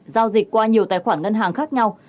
giao dịch qua nhiều tài khoản ngân hàng khác nhau